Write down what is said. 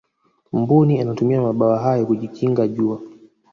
mbuni anatumia mabawa hayo kujikinga jua